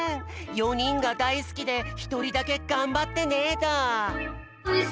４にんが「だいすき」でひとりだけ「がんばってね」だ。